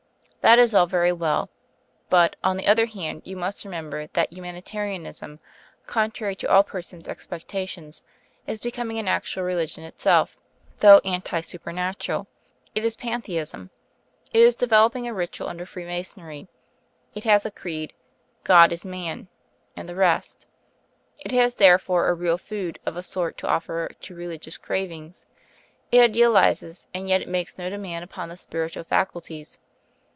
That is all very well; but, on the other hand, you must remember that Humanitarianism, contrary to all persons' expectations, is becoming an actual religion itself, though anti supernatural. It is Pantheism; it is developing a ritual under Freemasonry; it has a creed, 'God is Man,' and the rest. It has therefore a real food of a sort to offer to religious cravings; it idealises, and yet it makes no demand upon the spiritual faculties.